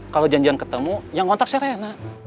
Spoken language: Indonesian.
kalau janjian ketemu yang ngontak serena